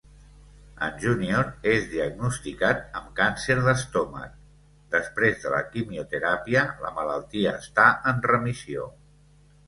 En Junior és diagnosticat amb càncer d'estomac; després de la quimioteràpia, la malaltia està en remissió.